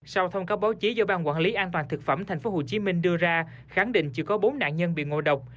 sau thông cáo báo chí do ban quản lý an toàn thực phẩm tp hcm đưa ra khẳng định chỉ có bốn nạn nhân bị ngộ độc